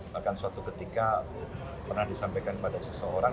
bahkan suatu ketika pernah disampaikan kepada seseorang